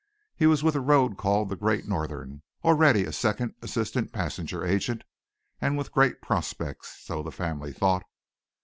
He was with a road called the Great Northern, already a Second Assistant Passenger Agent and with great prospects, so the family thought.